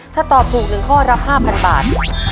ถ้าตอบถูก๑ข้อรับ๕๐๐บาท